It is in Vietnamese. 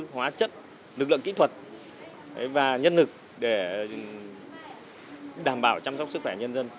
hóa chất lực lượng kỹ thuật và nhân lực để đảm bảo chăm sóc sức khỏe nhân dân